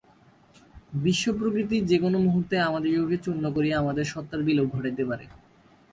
বিশ্বপ্রকৃতি যে-কোন মুহূর্তে আমাদিগকে চূর্ণ করিয়া আমাদের সত্তার বিলোপ ঘটাইতে পারে।